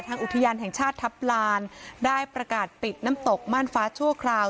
อุทยานแห่งชาติทัพลานได้ประกาศปิดน้ำตกม่านฟ้าชั่วคราว